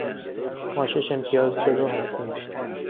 ما شش امتیاز جلو هستیم.